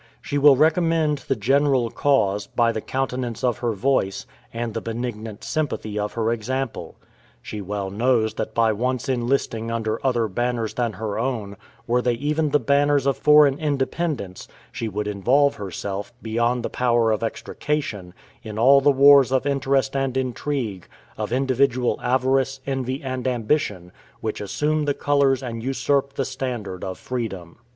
She will recommend the general cause, by the countenance of her voice, and the benignant sympathy of her example. She well knows that by once enlisting under other banners than her own, were they even the banners of foreign independence, she would involve herself, beyond the power of extrication, in all the wars of interest and intrigue, of individual avarice, envy, and ambition, which assume the colors and usurp the standard of freedom.